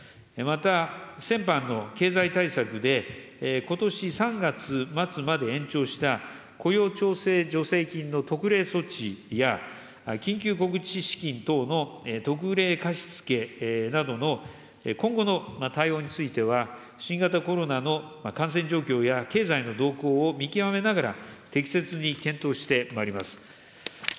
また、先般の経済対策で、ことし３月末まで延長した、雇用調整助成金の特例措置や、緊急小口資金等の特例貸し付けなどの、今後の対応については、新型コロナの感染状況や経済の動向を見極めながら、適切に検討してまいります。